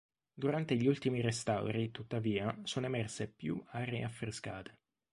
Durante gli ultimi restauri, tuttavia, sono emerse più aree affrescate.